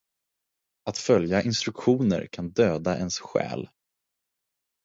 Att följa instruktioner kan döda ens själ.